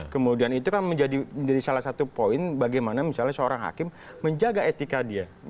kemudian itu kan menjadi salah satu poin bagaimana misalnya seorang hakim menjaga etika dia